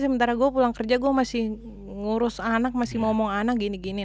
sementara gue pulang kerja gue masih ngurus anak masih ngomong anak gini gini